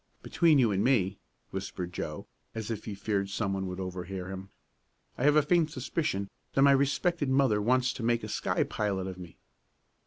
Between you and me," whispered Joe, as if he feared someone would overhear him, "I have a faint suspicion that my respected mother wants to make a sky pilot of me."